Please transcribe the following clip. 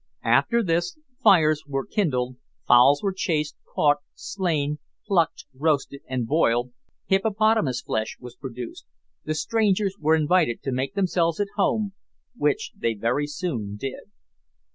After this, fires were kindled, fowls were chased, caught, slain, plucked, roasted, and boiled; hippopotamus flesh was produced, the strangers were invited to make themselves at home, which they very soon did.